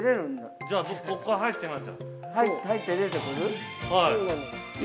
◆じゃあ、僕ここから入ってみますよ。